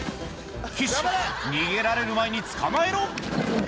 岸逃げられる前に捕まえろ！